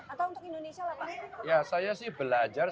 atau untuk indonesia lah pak ya saya sih belajar